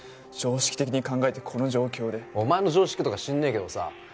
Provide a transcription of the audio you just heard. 常識的に考えてこの状況でお前の常識とか知んねーけどさ